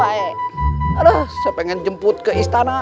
aduh saya pengen jemput ke istana